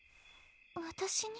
私に？